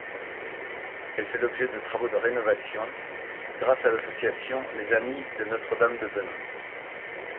Elle fait l’objet de travaux de rénovation, grâce à l’association les Amis de Notre-Dame-de-Benon.